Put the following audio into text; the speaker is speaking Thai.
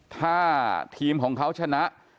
ถ้าทีมของเขาชนะ